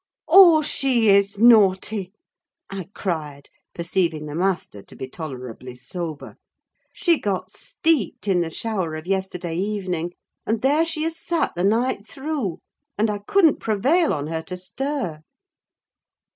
"Oh, she is naughty!" I cried, perceiving the master to be tolerably sober. "She got steeped in the shower of yesterday evening, and there she has sat the night through, and I couldn't prevail on her to stir."